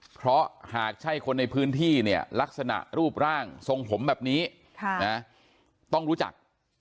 เพราะหากใช่คนในพื้นที่เนี่ยลักษณะรูปร่างทรงผมแบบนี้ต้องรู้จัก